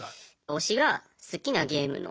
推しが好きなゲームのテレビ